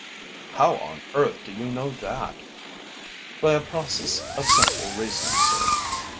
"How on earth do you know that?" "By a process of simple reasoning, sir.